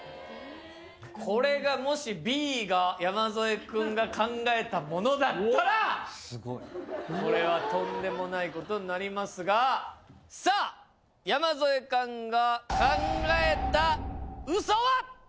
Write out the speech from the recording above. これがもしＢが山添くんが考えたものだったらこれはとんでもないことになりますがさあ山添寛が。